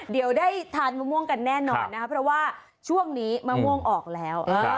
เดี๋ยวได้ทานมะม่วงกันแน่นอนนะครับเพราะว่าช่วงนี้มะม่วงออกแล้ว